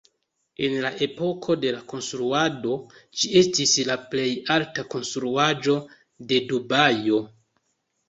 En la epoko de la konstruado, ĝi estis la plej alta konstruaĵo de Dubajo.